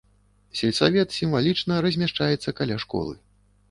Сельсавет сімвалічна размяшчаецца каля школы.